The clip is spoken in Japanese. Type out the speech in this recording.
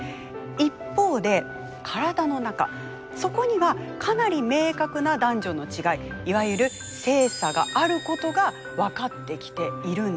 一方で体の中そこにはかなり明確な男女の違いいわゆる性差があることが分かってきているんです。